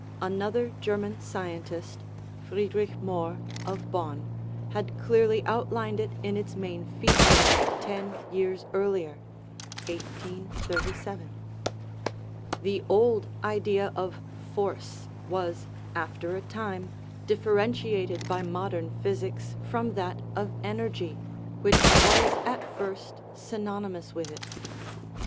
Another Ger man scientist, Friedrich Mohr, of Bonn, had clearly outlined it in its main features ten years earlier (1837). The old idea of force was, after a time, differentiated by modern physics from that of energy, which was at first synonymous with it.